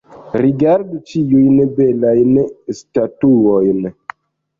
Rigardu ĉiujn belajn statuojn.